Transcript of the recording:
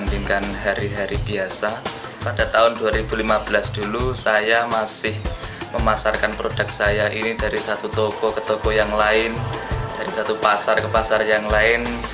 dulu saya masih memasarkan produk saya ini dari satu toko ke toko yang lain dari satu pasar ke pasar yang lain